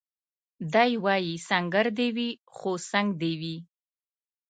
دی وايي سنګر دي وي خو څنګ دي وي